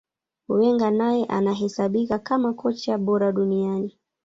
Wenger naye anahesabika kama kocha bora duniani